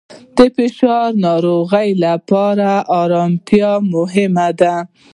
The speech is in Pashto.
د فشار ناروغانو لپاره آرامتیا مهمه ده.